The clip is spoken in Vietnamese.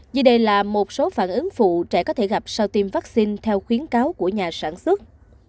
như đây là một số phản ứng phụ trẻ có thể gặp sau tiêm vaccine theo khuyến cáo của nhà sản xuất